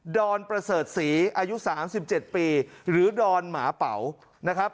ดอนประเสริฐศรีอายุสามสิบเจ็ดปีหรือดอนหมาเป๋านะครับ